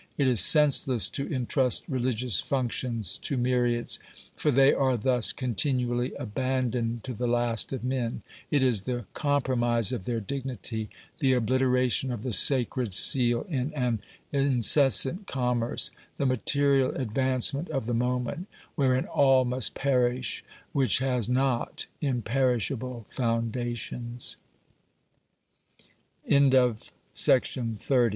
It is senseless to intrust religious functions to myriads, for they are thus continually abandoned to the last of men ; it is the com promise of their dignity, the obliteration of the sacred seal in an incessant commerce, the material advancement of the moment wherein all must perish which has not imperish abl